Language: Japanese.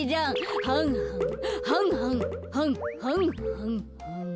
はんはんはんはんはんはんはんはん。